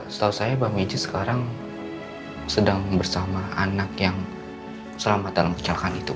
setahu saya mbak megi sekarang sedang bersama anak yang selamat dalam kecelakaan itu